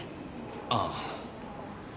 ああ。